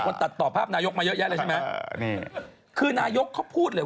แล้วก็บอกว่านายกเขาบอกว่า